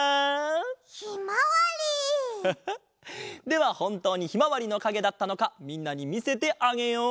ではほんとうにひまわりのかげだったのかみんなにみせてあげよう！